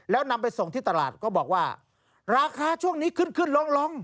แล้วนำไปส่งที่ตลาดก็บอกว่าราคาช่วงนี้ขึ้นขึ้นลง